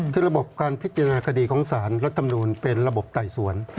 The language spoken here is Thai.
ซึ่งระบบการพิจารณาคดีของสารและธรรมดูลเป็นระบบไต่สวน